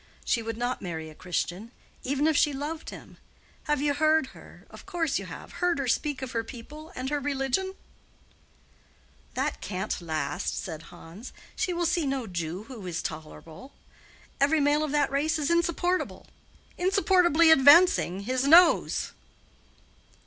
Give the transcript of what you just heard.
"She would not marry a Christian, even if she loved him. Have you heard her—of course you have—heard her speak of her people and her religion?" "That can't last," said Hans. "She will see no Jew who is tolerable. Every male of that race is insupportable—'insupportably advancing'—his nose."